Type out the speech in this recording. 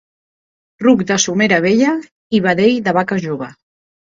Ruc de somera vella i vedell de vaca jove.